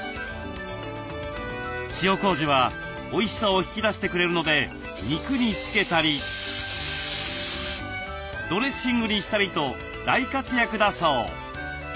塩こうじはおいしさを引き出してくれるので肉につけたりドレッシングにしたりと大活躍だそう。